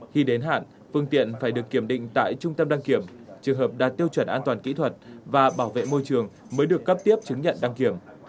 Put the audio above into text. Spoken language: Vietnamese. khi đến hạn phương tiện phải được kiểm định tại trung tâm đăng kiểm trường hợp đạt tiêu chuẩn an toàn kỹ thuật và bảo vệ môi trường mới được cấp tiếp chứng nhận đăng kiểm